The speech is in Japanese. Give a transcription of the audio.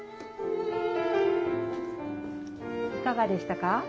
いかがでしたか？